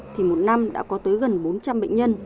thì một năm đã có tới gần bốn trăm linh bệnh nhân